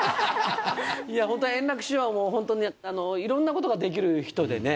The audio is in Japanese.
いや本当、円楽師匠も、本当にいろんなことができる人でね。